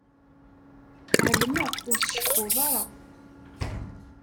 Ԑelmeɣ ur tceffuḍ ara.